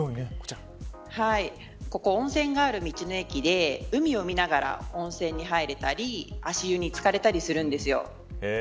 ここ、温泉がある道の駅で海を見ながら温泉に入れたり足湯に漬かれたりするんです。